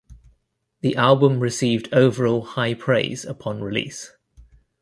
The album received overall high praise upon release.